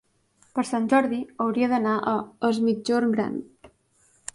Per Sant Jordi hauria d'anar a Es Migjorn Gran.